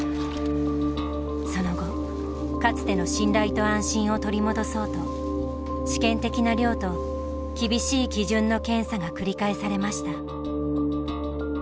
その後かつての信頼と安心を取り戻そうと試験的な漁と厳しい基準の検査が繰り返されました。